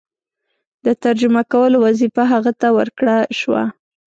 د ترجمه کولو وظیفه هغه ته ورکړه شوه.